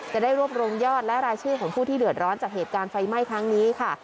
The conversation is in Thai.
จะได้รวบรวมยอดและรายชื่อของผู้ที่เดือดร้อนจากเหตุการณ์ไฟไหม้ครั้งนี้ค่ะ